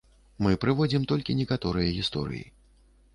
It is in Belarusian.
Мы прыводзім толькі некаторыя гісторыі.